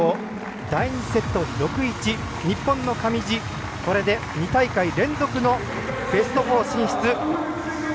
第２セット、６−１日本の上地、これで２大会連続のベスト４進出。